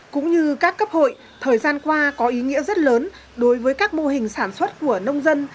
cũng như các cấp hội thời gian qua có ý nghĩa rất lớn đối với các mô hình sản xuất của nông dân